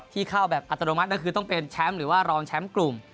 เข้าแบบอัตโนมัติก็คือต้องเป็นแชมป์หรือว่ารองแชมป์กลุ่ม